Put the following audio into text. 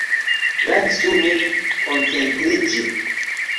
Lasu min koncentriĝi.